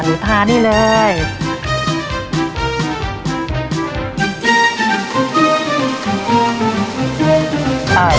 อันนี้พานี่เลย